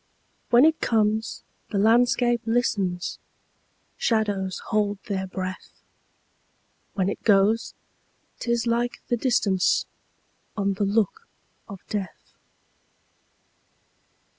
When it comes, the landscape listens, Shadows hold their breath; When it goes, 't is like the distanceOn the look of death.